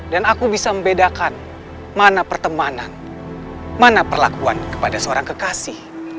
dan aku bisa membedakan mana pertemanan mana perlakuan kepada seorang kekasih